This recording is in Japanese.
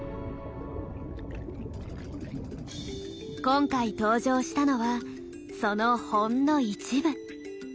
今回登場したのはそのほんの一部。